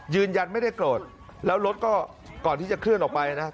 ยืนยันไม่ได้โกรธแล้วรถก็ก่อนที่จะเคลื่อนออกไปนะ